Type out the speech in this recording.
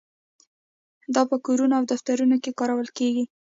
دا په کورونو او دفترونو کې کارول کیږي.